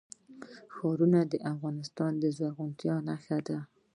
ښارونه د افغانستان د زرغونتیا نښه ده.